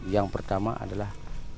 yang pertama adalah